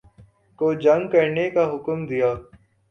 کو جنگ کرنے کا حکم دیا